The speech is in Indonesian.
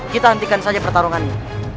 kita hentikan saja pertarungannya